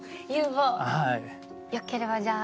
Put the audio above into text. よければじゃあ。